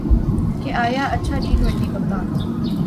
کہ آیا اچھا ٹی ٹؤنٹی کپتان